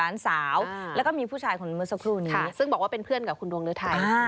หลังจากนี้แล้วก็มีผู้ชายคนหนึ่งซึ่งบอกเป็นเพื่อนกับดวงเนื้อไทย